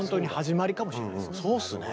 そうっすね。